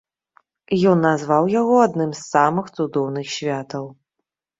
Ён назваў яго адным з самых цудоўных святаў.